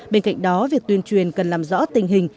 bên cạnh đó việc tuyên truyền cần làm rõ tình hình